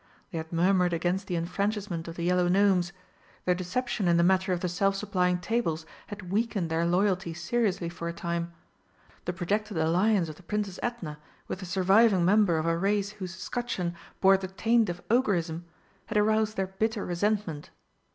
They had murmured against the enfranchisement of the Yellow Gnomes; their deception in the matter of the self supplying tables had weakened their loyalty seriously for a time; the projected alliance of the Princess Edna with the surviving member of a race whose scutcheon bore the taint of Ogreism had aroused their bitter resentment.